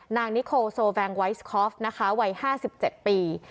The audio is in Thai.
นางนิโคโซแบงไวส์คอฟนะคะวัย๕๗ปี